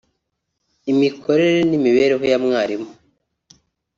imikorere n’imibereho ya mwarimu